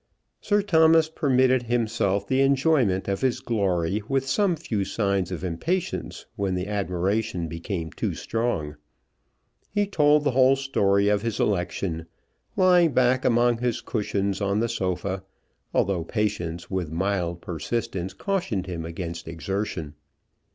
Sir Thomas permitted to himself the enjoyment of his glory, with some few signs of impatience when the admiration became too strong. He told the whole story of his election, lying back among his cushions on the sofa, although Patience, with mild persistence, cautioned him against exertion.